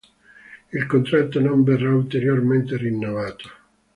Il contratto non verrà ulteriormente rinnovato.